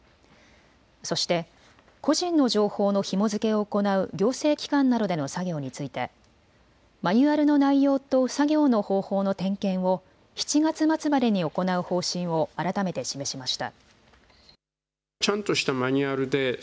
そして個人の情報のひも付けを行う行政機関などでの作業についてマニュアルの内容と作業の方法の点検を７月末までに行う方針を改めて示しました。